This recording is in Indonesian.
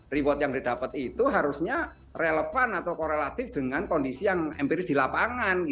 reward yang didapat itu harusnya relevan atau korelatif dengan kondisi yang empiris di lapangan